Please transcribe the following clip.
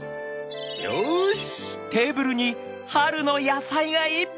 よし！